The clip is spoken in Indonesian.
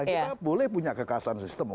kita boleh punya kekuasaan sistem